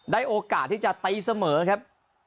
ได้โอกาสที่จะไต้เสมอนะครับ